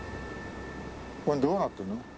これどうなってるの？